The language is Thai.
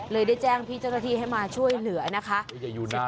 เลยได้แจ้งพี่เจ้าหน้าที่ให้มาช่วยเหลือนะคะจะอยู่นานน่ะ